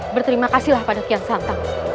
berterima kasih lah pada kian santang